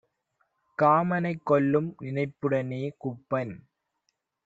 காமனைக் கொல்லும் நினைப்புடனே - குப்பன்